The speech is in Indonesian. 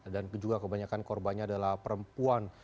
dan juga kebanyakan korbannya adalah perempuan